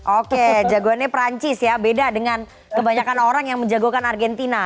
oke jagoannya perancis ya beda dengan kebanyakan orang yang menjagokan argentina